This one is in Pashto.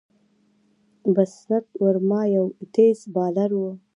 بسنت ورما یو تېز بالر وو.